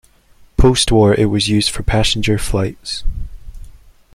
Post war it was used for passenger flights.